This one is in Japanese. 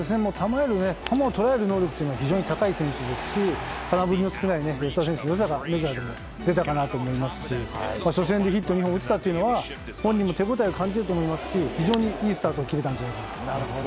球を捉える能力は非常に高い選手ですし空振りの少ない吉田選手の良さがメジャーでも出たと思いますし初戦でヒットを２本打てたというのは感じると思いますし非常にいいスタートを切れたと思います。